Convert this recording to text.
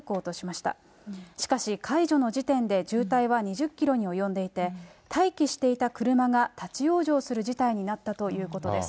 しかし、解除の時点で渋滞は２０キロに及んでいて、待機していた車が立往生する事態になったということです。